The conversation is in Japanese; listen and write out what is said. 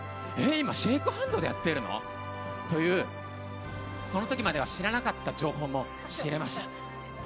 今シェイクハンドでやってるのというその時までは知らなかった情報も知れました。